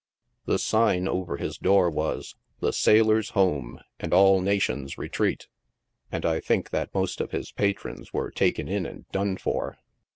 The sign over his door was " The Sailor's Hjpme, and all Nations' retreat," and I think that most of his patrons were taken in and done for.